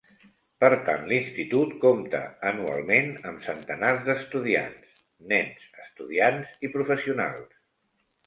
Per tant, l'Institut compta anualment amb centenars d'estudiants: nens, estudiants i professionals.